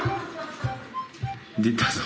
出たぞ。